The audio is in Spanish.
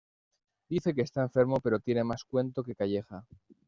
Dice que está enfermo pero tiene más cuento que Calleja